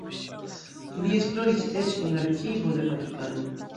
Li esploris eĉ en arkivo de Vatikano.